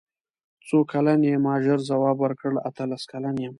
څو کلن یې ما ژر ځواب ورکړ اتلس کلن یم.